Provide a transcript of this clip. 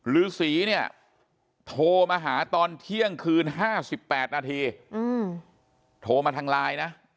ฤษีเนี่ยโทรมาหาตอนเที่ยงคืน๕๘นาทีโทรมาทางไลน์นะ